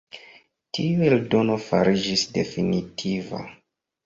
Tiu eldono fariĝis definitiva.